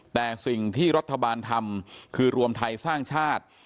แต่สิ่งที่รัฐบาลทำคือรวมไทยสร้างชาติ